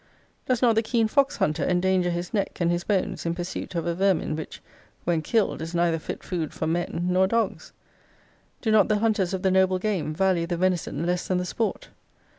Does not the keen fox hunter endanger his neck and his bones in pursuit of a vermin, which, when killed, is neither fit food for men nor dogs? Do not the hunters of the noble game value the venison less than the sport?